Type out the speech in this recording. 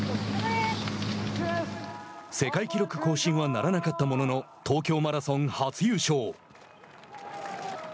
世界記録更新はならなかったものの東京マラソン、初優勝。